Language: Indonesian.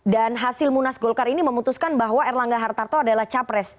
dan hasil munas golkar ini memutuskan bahwa erlangga hartarto adalah capres